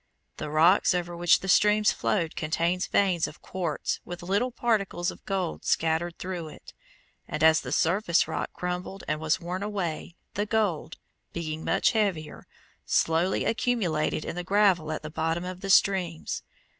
The rocks over which the streams flowed contained veins of quartz with little particles of gold scattered through it, and as the surface rock crumbled and was worn away, the gold, being much heavier, slowly accumulated in the gravel at the bottom of the streams.